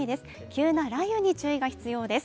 急な雷雨に注意が必要です。